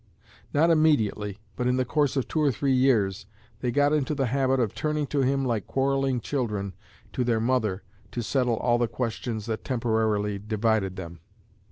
Not immediately, but in the course of two or three years, they got into the habit of turning to him like quarrelling children to their mother to settle all the questions that temporarily divided them."